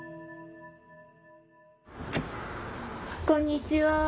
こんにちは。